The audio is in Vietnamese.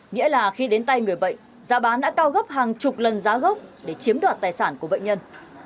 nghĩa là khi đến tay người bệnh giá bán đã cao gấp hàng chục lần giá gốc để chiếm đoạt tài sản của bệnh nhân